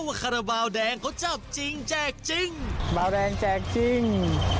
คาราบาลแดงเขาจับจริงแจกจริงมาแรงแจกจริง